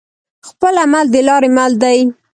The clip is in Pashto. خپل عمل دلاری مل دی